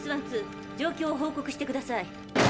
ＤＳ−１２状況を報告してください。